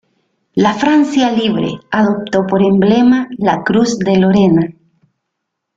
La Francia Libre adoptó por emblema la Cruz de Lorena.